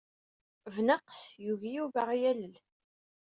Bnaqes, yugi Yuba ad aɣ-yalel.